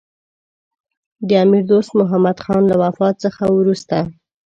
د امیر دوست محمدخان له وفات څخه وروسته.